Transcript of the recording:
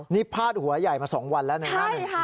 นี่พาดหัวใหญ่มา๒วันแล้วนะครับ